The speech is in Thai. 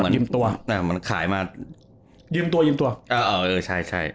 เหมือนขายมายืมตัวยืมตัวใช่